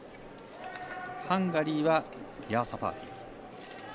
ハンガリーはヤーサパーティ。